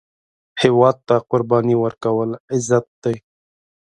هیواد ته قرباني ورکول، عزت دی